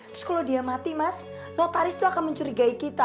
terus kalau dia mati mas notaris itu akan mencurigai kita